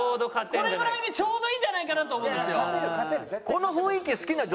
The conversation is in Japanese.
これぐらいでちょうどいいんじゃないかなと思うんですよ。